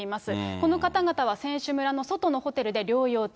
この方々は選手村の外のホテルで療養中。